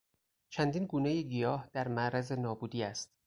چندین گونه گیاه در معرض نابودی است.